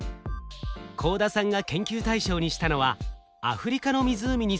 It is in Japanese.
幸田さんが研究対象にしたのはアフリカの湖にすむ魚です。